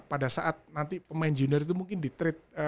pada saat nanti pemain junior itu mungkin di trade